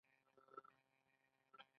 د کونړ د قیمتي ډبرو کانونه ډیر دي؟